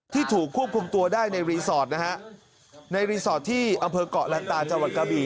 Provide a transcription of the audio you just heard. ถูกควบคุมตัวได้ในรีสอร์ทนะฮะในรีสอร์ทที่อำเภอกเกาะลันตาจังหวัดกะบี่